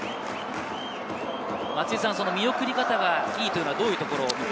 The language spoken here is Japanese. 見送り方がいいというのは、どういうところで？